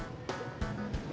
ah ah kita kembali